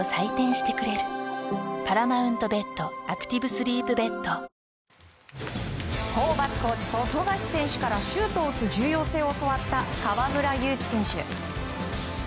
するとこの言葉を受けた河村選手はホーバスコーチと富樫選手からシュートを打つ重要性を教わった河村勇輝選手。